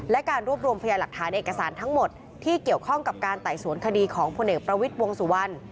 และการรวบรวมพยาหลักฐานเอกสารทั้งหมดที่เกี่ยวข้องกับการไต่สวนคดีของพลเอกประวิทย์วงสุวรรณ